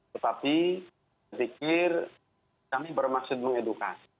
tetapi saya pikir kami bermaksud mengedukasi